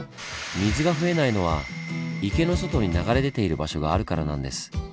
水が増えないのは池の外に流れ出ている場所があるからなんです。